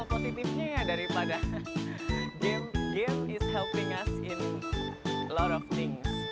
kalau positifnya ya daripada game game is helping us in a lot of things